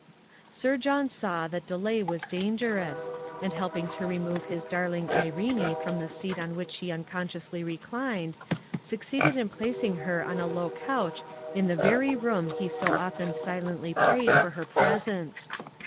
Sir John saw that delay was dangerous, and helping to remove his darling Irene from the seat on which she unconsciously reclined, succeeded in placing her on a low couch in the very room he so often silently prayed for her presence.